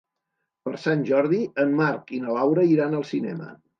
Per Sant Jordi en Marc i na Laura iran al cinema.